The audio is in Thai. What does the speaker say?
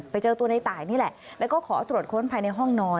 ไปเจอตัวในตายนี่แหละแล้วก็ขอตรวจค้นภายในห้องนอน